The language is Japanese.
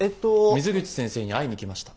水口先生に会いに来ました。